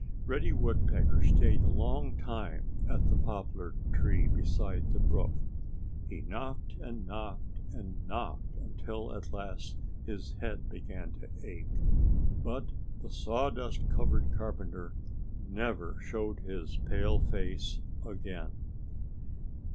Reddy Woodpecker stayed a long time at the poplar tree beside the brook. He knocked and knocked and knocked until at last his head began to ache. But the sawdust covered carpenter never showed his pale face again.